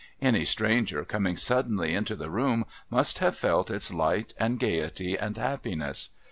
Any stranger, coming suddenly into the room, must have felt its light and gaiety and happiness.